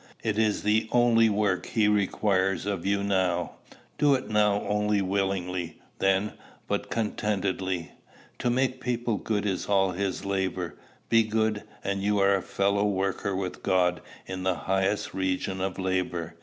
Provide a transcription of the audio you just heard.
It is the only work he requires of you now: do it not only willingly, then, but contentedly. To make people good is all his labor: be good, and you are a fellow worker with God in the highest region of labor.